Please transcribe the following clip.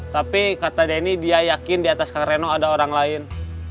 tapi kata denny dia yakin di atas kang reno ada orang lain